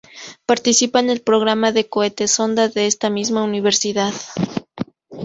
Participa en el programa de cohetes sonda de esta misma universidad.